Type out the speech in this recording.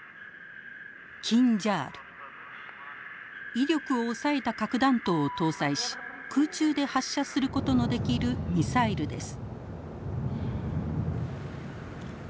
威力を抑えた核弾頭を搭載し空中で発射することのできるミサイルです。